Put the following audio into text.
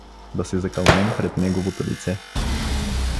— Да се закълнем пред неговото лице.